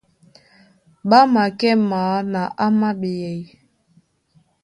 Ɓá makɛ́ maa na áma a ɓeyɛy.